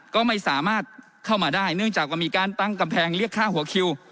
ก็ไม่สามารถเข้ามาได้เนื่องจากว่ามีการตั้งกำแพงเรียกค่าหัวคิว